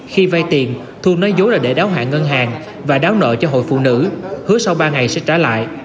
khi vay tiền thu nói dối là để đáo hạn ngân hàng và đáo nợ cho hội phụ nữ hứa sau ba ngày sẽ trả lại